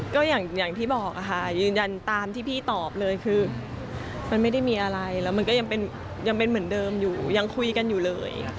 ก็อย่างที่บอกค่ะยืนยันตามที่พี่ตอบเลยคือมันไม่ได้มีอะไรแล้วมันก็ยังเป็นเหมือนเดิมอยู่ยังคุยกันอยู่เลย